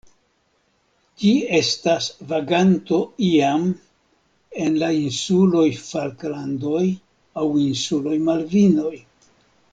Ĝi estas vaganto iam en la insuloj Falklandoj aŭ insuloj Malvinoj.